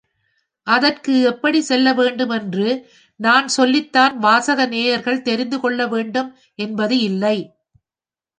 அதற்கு எப்படிச் செல்ல வேண்டும் என்று நான் சொல்லித்தான் வாசக நேயர்கள் தெரிந்துகொள்ள வேண்டும் என்பது இல்லை.